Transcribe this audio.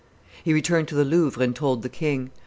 He returned to the Louvre and told the king.